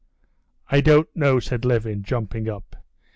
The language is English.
"I don't know!" said Levin, jumping up.